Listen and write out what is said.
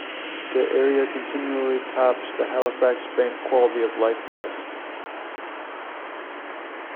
The area continually tops the Halifax Bank Quality of Life list.